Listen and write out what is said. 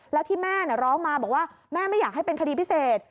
แล้วที่แม่ร้องมาบอกว่าแม่ไม่อยากให้เป็นคดีพิเศษ